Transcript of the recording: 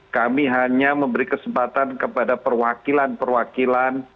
kami hanya memberi kesempatan kepada perwakilan perwakilan